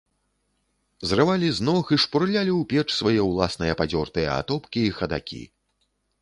Зрывалі з ног і шпурлялі ў печ свае ўласныя падзёртыя атопкі і хадакі.